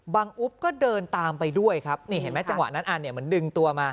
อุ๊บก็เดินตามไปด้วยครับนี่เห็นไหมจังหวะนั้นอันเนี่ยเหมือนดึงตัวมา